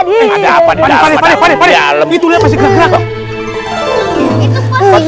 itu positif kan